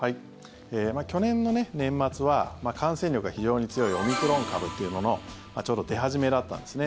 去年の年末は感染力が非常に強いオミクロン株というののちょうど出始めだったんですね。